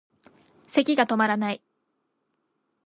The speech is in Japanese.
咳がとまらない